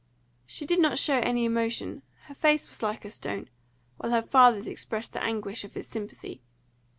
She did not show any emotion; her face was like a stone, while her father's expressed the anguish of his sympathy.